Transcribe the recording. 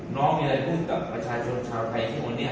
น้องมีอะไรพูดกับประชาชนชาวไทยทุกคนนี้